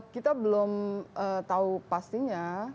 kita belum tahu pastinya